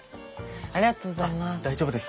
ありがとうございます。